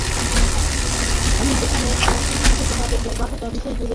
আমি যেখানে ছিলাম, সেখান থেকে তাঁদের বাসাটা বিশেষ দূরে ছিল না।